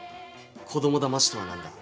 子どもだましとは何だ。